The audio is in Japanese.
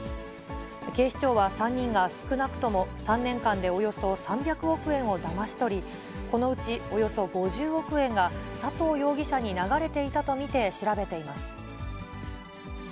警視庁は３人が、少なくとも３年間でおよそ３００億円をだまし取り、このうちおよそ５０億円が、佐藤容疑者に流れていたと見て調べています。